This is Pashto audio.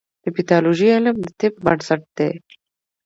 د پیتالوژي علم د طب بنسټ دی.